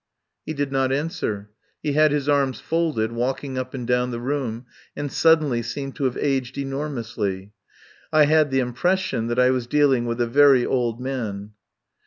He did not answer. He had his arms folded, walking up and down the room, and suddenly seemed to have aged enormously. I had the impression that I was dealing with a very old man.